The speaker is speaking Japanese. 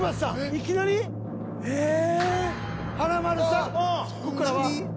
いきなり？ええ？